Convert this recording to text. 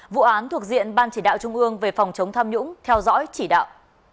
vụ án thuộc diện ban chỉ đạo trung ương về phòng chống tham nhũng theo dõi chỉ đạo